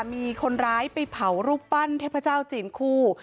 มีคนร้ายไปเผารูปปั้นเทพเจ้าจีนคู่